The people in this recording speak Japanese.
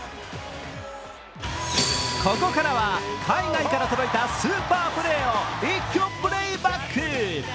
ここからは海外から届いたスーパープレーを一挙プレイバック。